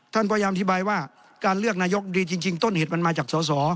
พยายามอธิบายว่าการเลือกนายกดีจริงต้นเหตุมันมาจากสอสอ